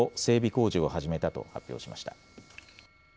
工事を始めたと発表しました。